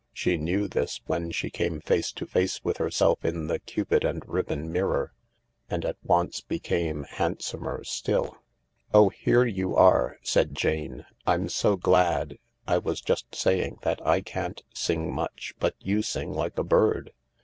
She knew this when she came face to face with herself in the cupid and nbbon mirror, and at once became handsomer still. 248 THE LARK " Oh, here you are !" said Jane. " Fm so glad. I was just saying that I can't sing much, but you sing like a bird."